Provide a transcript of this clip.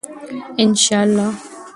ان شاء الله.